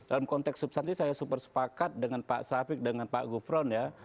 dalam konteks substansi saya super sepakat dengan pak safik dengan pak gufron ya